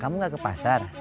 kamu gak ke pasar